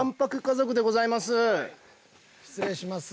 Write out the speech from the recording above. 失礼します。